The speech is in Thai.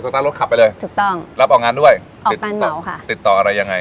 ติดต่ออะไรยังไง